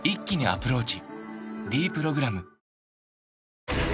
「ｄプログラム」磴